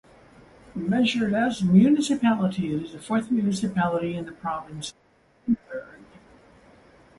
Measured as municipality, it is the fourth municipality in the province of Limburg.